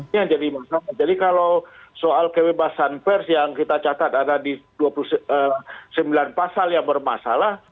ini yang jadi masalah jadi kalau soal kebebasan pers yang kita catat ada di dua puluh sembilan pasal yang bermasalah